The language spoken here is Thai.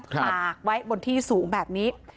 ตากไว้บนที่สูงแบบนี้